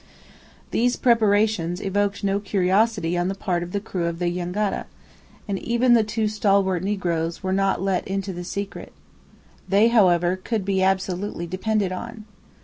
These preparations evoked no curiosity on the part of the crew of the jangada, and even the two stalwart negroes were not let into the secret. They, however, could be absolutely depended on.